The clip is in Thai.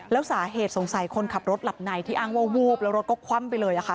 แล้วสาเหตุสงสัยคนขับรถหลับในที่อ้างว่าวูบแล้วรถก็คว่ำไปเลยค่ะ